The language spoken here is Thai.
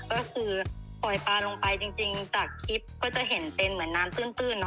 ก็คือปล่อยปลาลงไปจริงจากคลิปก็จะเห็นเป็นเหมือนน้ำตื้น